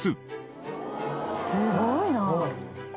すごいなあ。